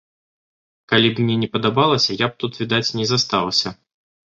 Калі б мне не падабалася, я б тут, відаць, не застаўся.